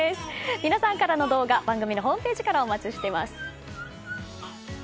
皆さんからの動画番組のホームページからお待ちしています。